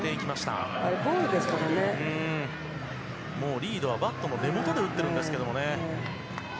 リードはバットの根元で打っているんですけどね。